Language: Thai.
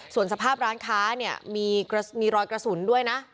ส่วนสภาพร้านค้าเนี่ยมีรอยกระสุนด้วยนะ